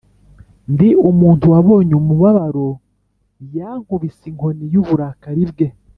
Ndi umuntu wabonye umubabaro, Yankubise inkoni y’uburakari bwe.